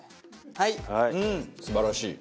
はい！